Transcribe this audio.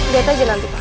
lihat aja nanti pak